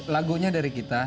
lagunya dari kita